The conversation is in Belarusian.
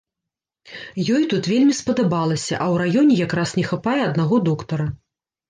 Ёй тут вельмі спадабалася, а ў раёне якраз не хапае аднаго доктара.